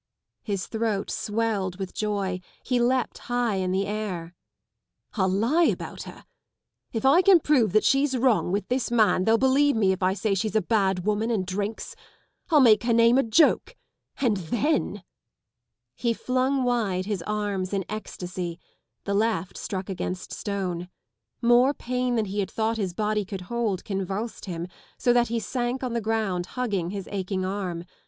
" His throat swelled with joy, he leapt high in the air. "I'll lie about her, If I can prove that she's wrong with this man they'll believe me if I say she's a bad woman and drinks. < I'll make her name a joke. And then ŌĆö " He 0ung wide his arms in ecstasy : the left struck against stone. More pain than he had thought his body could hold convulsed him, so that he sank on the ground hugging his aching arm.